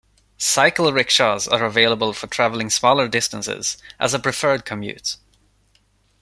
Cycle-rickshaws are available for travelling smaller distances, as a preferred commute.